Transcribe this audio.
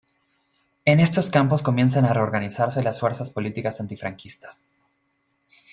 En estos campos comienzan a reorganizarse las fuerzas políticas antifranquistas.